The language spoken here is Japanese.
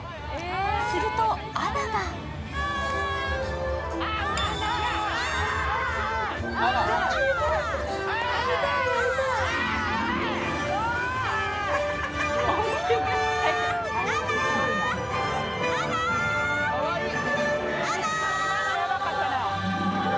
するとアナがアナ！